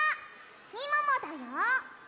みももだよ！